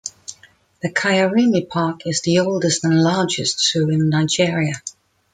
The Kyarimi Park is the oldest and largest zoo in Nigeria.